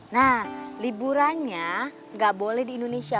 nah liburannya nggak boleh di indonesia